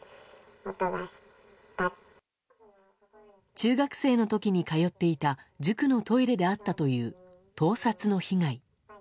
中学生の時に通っていた塾のトイレで遭ったという盗撮の被害。